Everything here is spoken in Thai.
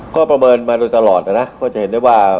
ก็ประเมินมาโดยตลอดนะนะก็จะเห็นได้ว่า